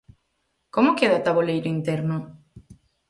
Como queda o taboleiro interno?